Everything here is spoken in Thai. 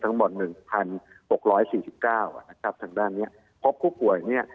ทั้งหมด๑๖๔๙นะครับทางด้านนี้พบผู้ป่วยเนี่ย